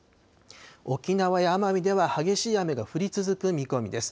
沖縄や奄美では、激しい雨が降り続く見込みです。